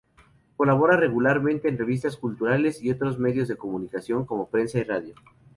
Colabora regularmente en revistas culturales y otros medios de comunicación como prensa y radio.